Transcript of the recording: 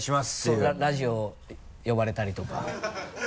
そうラジオ呼ばれたりとか。